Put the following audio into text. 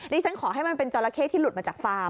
ฉันขอให้มันเป็นจราเข้ที่หลุดมาจากฟาร์